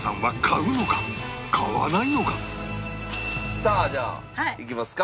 さあじゃあいきますか。